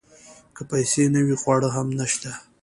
که پیسې نه وي خواړه هم نشته .